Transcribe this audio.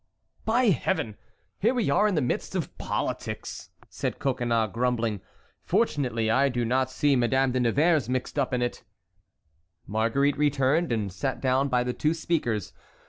"By Heaven! here we are in the midst of politics," said Coconnas grumbling. "Fortunately I do not see Madame de Nevers mixed up in it." Marguerite returned and sat down by the two speakers.